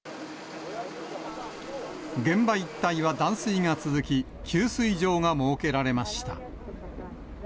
現場一帯は断水が続き、給水場が設けられました。